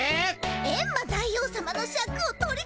エンマ大王さまのシャクを取り返すんだね。